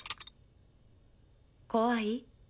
怖い？